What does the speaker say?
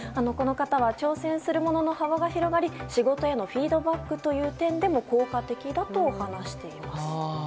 この方は挑戦するものの幅が広がり仕事へのフィードバックという点でも効果的だと話しています。